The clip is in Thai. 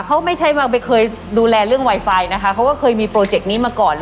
เขาไม่ใช่ว่าไปเคยดูแลเรื่องไวไฟนะคะเขาก็เคยมีโปรเจกต์นี้มาก่อน